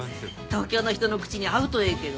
東京の人の口に合うとええけど。